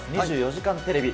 ２４時間テレビ。